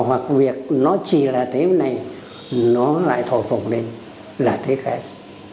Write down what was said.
hoặc việc nó chỉ là thế này nó lại thổi phồng lên là thế khác